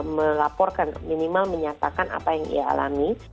melaporkan minimal menyatakan apa yang ia alami